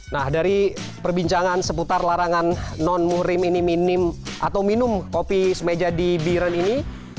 nah dari perbincangan seputar larangan non murim ini minum atau minum kopi semeja di biren ini